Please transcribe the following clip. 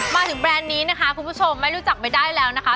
แบรนด์นี้นะคะคุณผู้ชมไม่รู้จักไม่ได้แล้วนะคะ